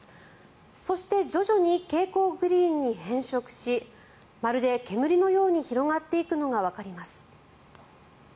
そして、徐々に蛍光グリーンに変色しまるで煙のように広がっていくのがわかります。